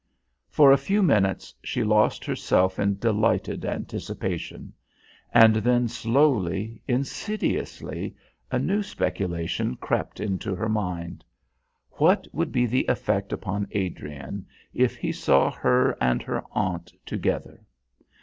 For a few minutes she lost herself in delighted anticipation, and then slowly, insidiously, a new speculation crept into her mind. What would be the effect upon Adrian if he saw her and her aunt together?